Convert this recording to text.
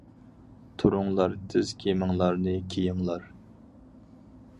- تۇرۇڭلار، تىز كىيىمىڭلارنى كىيىڭلار.